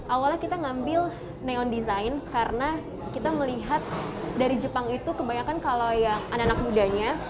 awalnya kita ngambil neon design karena kita melihat dari jepang itu kebanyakan kalau yang anak anak mudanya